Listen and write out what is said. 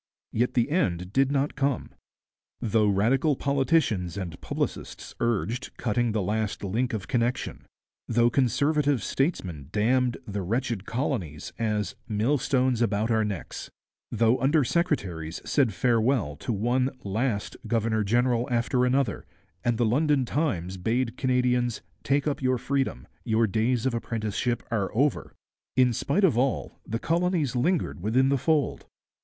Yet the end did not come. Though Radical politicians and publicists urged 'cutting the last link of connection'; though Conservative statesmen damned 'the wretched colonies' as 'millstones about our necks'; though under secretaries said farewell to one 'last' governor general after another and the London Times bade Canadians 'take up your freedom, your days of apprenticeship are over'; in spite of all, the colonies lingered within the fold.